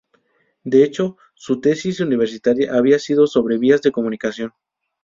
De hecho su tesis universitaria había sido sobre "Vías de comunicación".